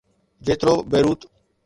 جيترو بيروت.